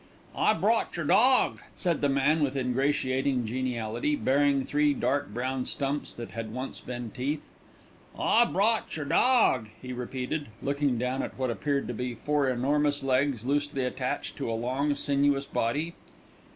"I brought your dawg," said the man with ingratiating geniality, baring three dark brown stumps that had once been teeth; "I brought your dawg," he repeated, looking down at what appeared to be four enormous legs loosely attached to a long, sinuous body.